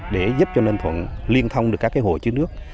để giúp cho ninh thuận liên thông được các hộ chứa nước